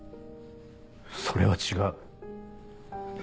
それは違う。